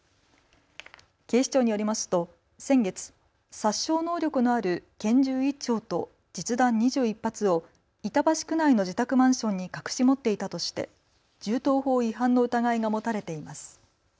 警視庁によりますと先月、殺傷能力のある拳銃１丁と実弾２１発を板橋区内の自宅マンションに隠し持っていたとして銃刀法違反の疑いが持たれています。